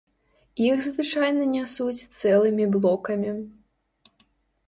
Іх звычайна нясуць цэлымі блокамі.